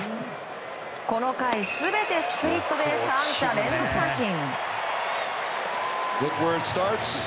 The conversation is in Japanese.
この回、全てスプリットで３者連続三振。